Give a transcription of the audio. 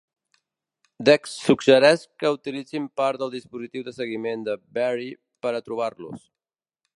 Dex suggereix que utilitzin part del dispositiu de seguiment de Beary per trobar-los.